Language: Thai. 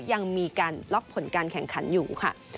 ยังมีการล็อกผลการแข่งขันอยู่ค่ะ